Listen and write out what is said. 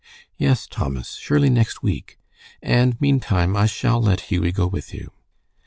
"Yes, Thomas, surely next week. And meantime, I shall let Hughie go with you."